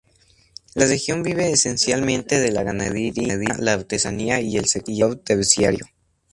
La región vive esencialmente de la ganadería, la artesanía y el sector terciario.